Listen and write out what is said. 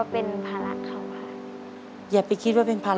อเรนนี่ต้องมีวัคซีนตัวหนึ่งเพื่อที่จะช่วยดูแลพวกม้ามและก็ระบบในร่างกาย